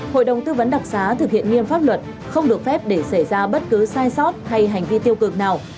hội đồng tư vấn đặc xá thực hiện nghiêm pháp luật không được phép để xảy ra bất cứ sai sót hay hành vi tiêu cực nào